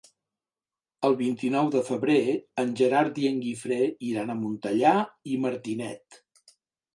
El vint-i-nou de febrer en Gerard i en Guifré iran a Montellà i Martinet.